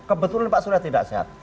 kebetulan pak surya tidak sehat